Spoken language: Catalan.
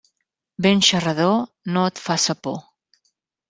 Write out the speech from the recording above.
Vent xerrador, no et faça por.